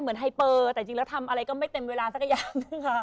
เหมือนไฮเปอร์แต่จริงแล้วทำอะไรก็ไม่เต็มเวลาสักอย่าง